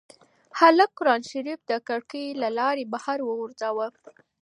هلک قرانشریف د کړکۍ له لارې بهر وغورځاوه.